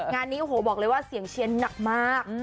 งานนี้โอ้โหบอกเลยว่าเสียงเชียนหนักมาก